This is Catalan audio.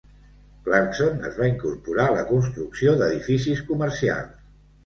Clarkson es va incorporar a la construcció d'edificis comercials.